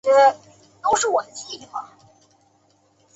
朝来市立生野中学校位于日本兵库县朝来市的公立中学校。